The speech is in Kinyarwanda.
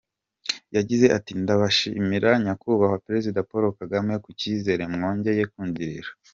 Yagize ati “Ndabashimira Nyakubahwa Perezida Paul Kagame ku cyizere mwongeye kungirira.